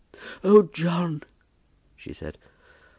"Oh, John," she said.